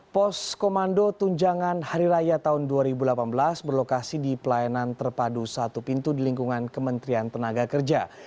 pos komando tunjangan hari raya tahun dua ribu delapan belas berlokasi di pelayanan terpadu satu pintu di lingkungan kementerian tenaga kerja